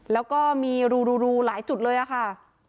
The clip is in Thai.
แล้วก็มีรูหลายจุดเลยค่ะ